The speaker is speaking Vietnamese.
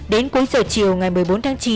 đến cuối giờ chiều ngày một mươi bốn tháng chín